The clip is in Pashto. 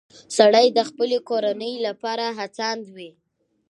سړی د خپلې کورنۍ لپاره هڅاند وي